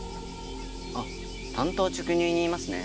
あっ単刀直入に言いますね。